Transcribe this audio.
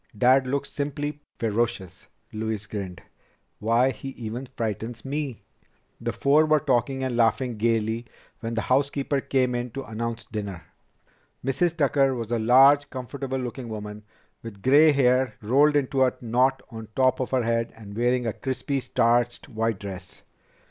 "Dad looks simply ferocious." Louise grinned. "Why, he even frightens me!" The four were talking and laughing gaily when the housekeeper came in to announce dinner. Mrs. Tucker was a large, comfortable looking woman, with gray hair rolled into a knot on top of her head and wearing a crisply starched white dress.